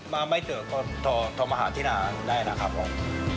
มาไม่เจอก็โทรมาหาที่นาได้นะครับผม